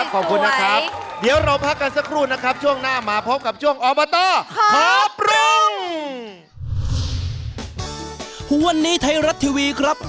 ขอบคุณมากนะครับขอบคุณนะครับ